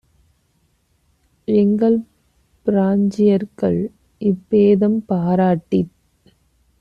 எங்கள் பிராஞ்சியர்கள் இப்பேதம் பாராட்டித்